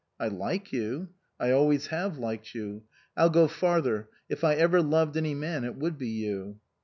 " I like you. I always have liked you. Ill go farther if I ever loved any man it would be you."